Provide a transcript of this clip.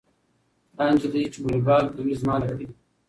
دا نجلۍ چې والیبال کوي زما له کلي ده.